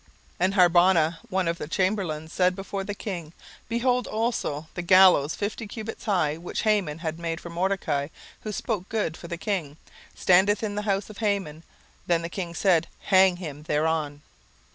17:007:009 And Harbonah, one of the chamberlains, said before the king, Behold also, the gallows fifty cubits high, which Haman had made for Mordecai, who spoken good for the king, standeth in the house of Haman. Then the king said, Hang him thereon.